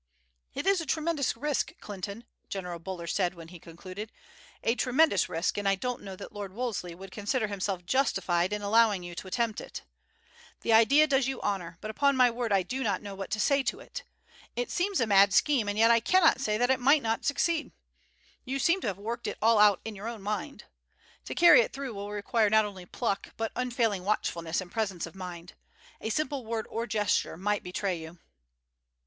"It is a tremendous risk, Clinton," General Buller said when he concluded; "a tremendous risk, and I don't know that Lord Wolseley would consider himself justified in allowing you to attempt it. The idea does you honour, but upon my word I do not know what to say to it. It seems a mad scheme, and yet I cannot say that it might not succeed. You seem to have worked it all out in your own mind. To carry it through will require not only pluck but unfailing watchfulness and presence of mind. A simple word or a gesture might betray you."